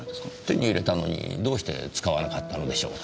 手に入れたのにどうして使わなかったのでしょう？